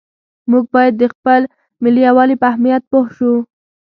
موږ باید د خپل ملي یووالي په اهمیت پوه شو.